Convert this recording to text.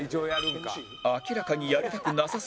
明らかにやりたくなさそうな森田